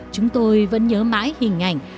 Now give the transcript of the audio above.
chúng tôi vẫn nhớ mãi hình